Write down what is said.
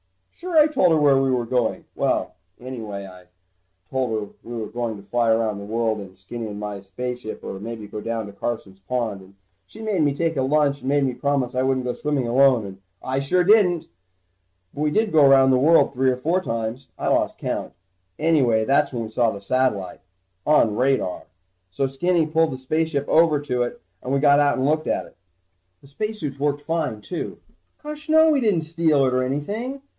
Sure, I told her where we were going. Well ... anyway I told her we were maybe going to fly around the world in Skinny and my spaceship, or maybe go down to Carson's pond. And she made me take a lunch and made me promise I wouldn't go swimming alone, and I sure didn't. But we did go around the world three or four times. I lost count. Anyway that's when we saw the satellite on radar. So Skinny pulled the spaceship over to it and we got out and looked at it. The spacesuits worked fine, too. Gosh no, we didn't steal it or anything.